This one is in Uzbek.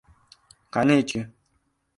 — Qani echki?